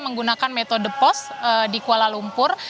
menggunakan metode pos di kuala lumpur